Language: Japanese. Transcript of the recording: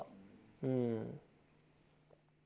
うん。